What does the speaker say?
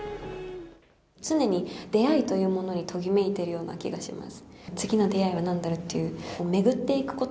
常に出会いというものにときめいているような気がします。